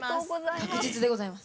確実でございます。